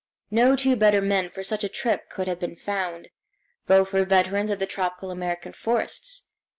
No two better men for such a trip could have been found. Both were veterans of the tropical American forests.